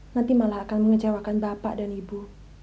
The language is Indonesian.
nanti malah akan mengecewakan bapak dan ibu